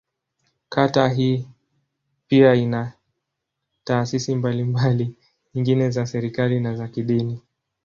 Kata hii pia ina taasisi mbalimbali nyingine za serikali, na za kidini.